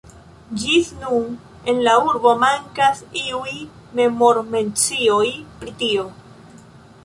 Ĝis nun en la urbo mankas iuj memor-mencioj pri tio.